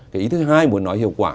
cái ý thứ hai muốn nói hiệu quả